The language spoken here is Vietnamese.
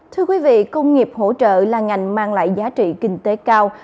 thưa quý vị công nghiệp hỗ trợ là ngành mang lại giá trị kinh tế cao